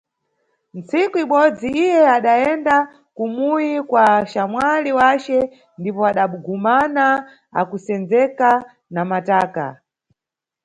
Ntsiku ibodzi iye adayenda kumuyi kwa xamwali wace ndipo adamugumana akusendzeka na mataka.